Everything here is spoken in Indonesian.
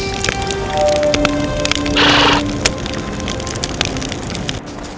dan mereka mencari air